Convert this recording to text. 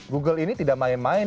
google ini tidak main main